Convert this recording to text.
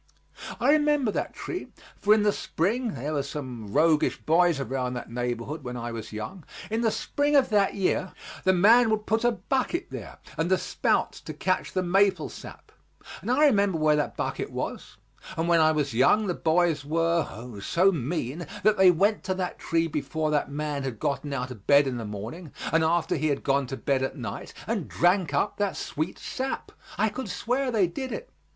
I remember that tree, for in the spring there were some roguish boys around that neighborhood when I was young in the spring of the year the man would put a bucket there and the spouts to catch the maple sap, and I remember where that bucket was; and when I was young the boys were, oh, so mean, that they went to that tree before that man had gotten out of bed in the morning, and after he had gone to bed at night, and drank up that sweet sap. I could swear they did it.